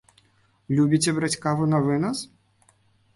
Любіце браць каву навынас?